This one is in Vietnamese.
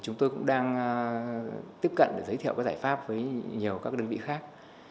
chúng tôi cũng đang tiếp cận để giới thiệu các giải pháp với nhiều các đơn vị khác